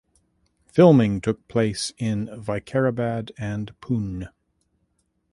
Filming took place in Vikarabad and Pune.